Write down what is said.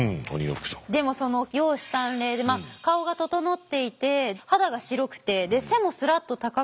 でも容姿端麗で顔が整っていて肌が白くて背もすらっと高くて。